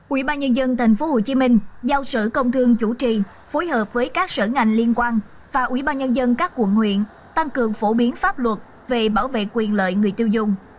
ubnd tp hcm giao sở công thương chủ trì phối hợp với các sở ngành liên quan và ubnd các quận huyện tăng cường phổ biến pháp luật về bảo vệ quyền lợi người tiêu dùng